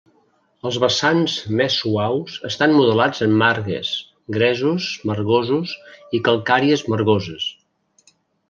Els vessants més suaus estan modelats en margues, gresos margosos i calcàries margoses.